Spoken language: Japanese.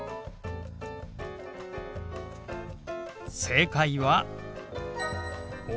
正解は。